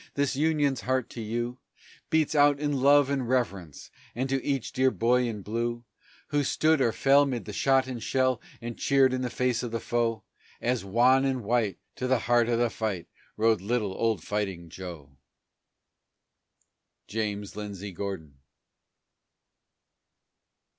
this Union's heart to you Beats out in love and reverence and to each dear boy in blue Who stood or fell 'mid the shot and shell, and cheered in the face of the foe, As, wan and white, to the heart of the fight rode little old Fighting Joe! JAMES LINDSAY GORDON.